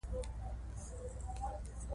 څېړونکي د لابراتوار موږکان مطالعه کوي.